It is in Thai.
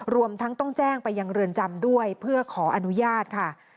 รวมทั้งต้องแจ้งไปยังเรือนจำด้วยเพื่อขออนุญาตค่ะ